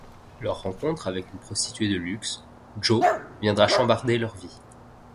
Leur rencontre avec une prostituée de luxe, Jo, viendra chambarder leur vie.